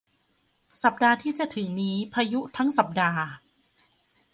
สัปดาห์ที่จะถึงนี้พายุทั้งสัปดาห์